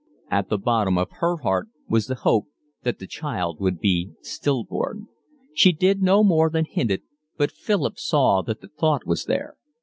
At the bottom of her heart was the hope that the child would be still born. She did no more than hint it, but Philip saw that the thought was there.